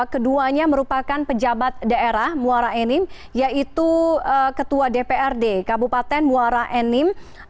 keduanya merupakan pejabat daerah muara enim yaitu ketua dprd kabupaten muara enim